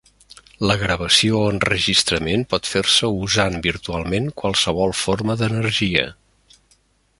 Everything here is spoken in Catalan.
La gravació o enregistrament pot fer-se usant virtualment qualsevol forma d'energia.